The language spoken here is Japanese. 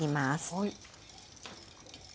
はい。